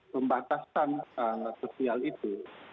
pembatasan sosial itu